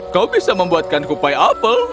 kau bisa membuatkan kupai apel